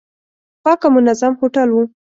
پاک او منظم هوټل و.